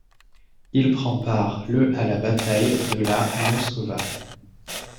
Il prend part le à la bataille de la Moskova.